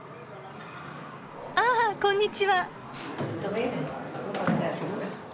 ああこんにちは。